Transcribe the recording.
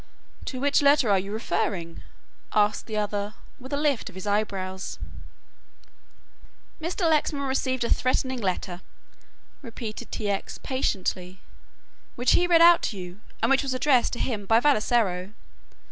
"To which letter are you referring?" asked the other, with a lift of his eyebrows. "Mr. Lexman received a threatening letter," repeated T. X. patiently, "which he read out to you, and which was addressed to him by Vassalaro.